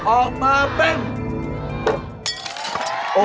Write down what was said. ออกมาเป็น